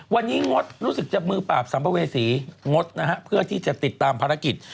วันนี้งดรู้สึกจะมือปราบสัมภเวษีงดนะฮะเพื่อที่จะติดตามภารกิจ